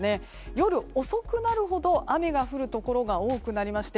夜遅くなるほど雨が降るところが多くなりまして